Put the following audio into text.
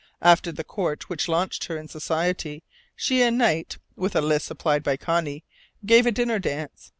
After the Court, which launched her in society, she and Knight (with a list supplied by Connie) gave a dinner dance.